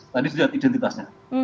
tadi sudah identitasnya